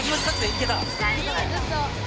いけたね。